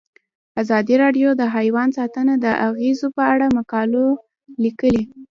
ازادي راډیو د حیوان ساتنه د اغیزو په اړه مقالو لیکلي.